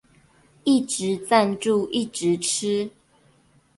一直贊助一直吃